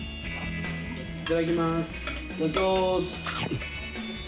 いただきます！